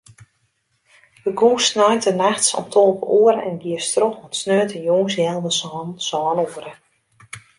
Begûnst sneintenachts om tolve oere en giest troch oant sneontejûns healwei sânen, sân oere.